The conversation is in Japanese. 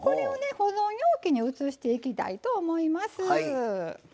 保存容器に移していきたいと思います。